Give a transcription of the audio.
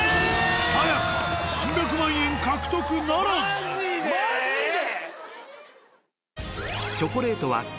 さや香３００万円獲得ならずマジで？